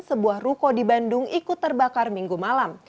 sebuah ruko di bandung ikut terbakar minggu malam